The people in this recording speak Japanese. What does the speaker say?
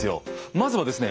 まずはですね